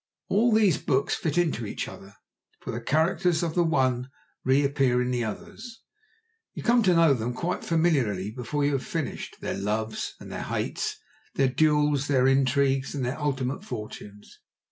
All these books fit into each other, for the characters of the one reappear in the others. You come to know them quite familiarly before you have finished, their loves and their hates, their duels, their intrigues, and their ultimate fortunes.